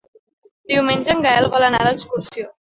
Diumenge en Gaël vol anar d'excursió.